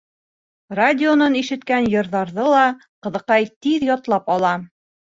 Радионан ишеткән йырҙарҙы ла ҡыҙыҡай тиҙ ятлап ала.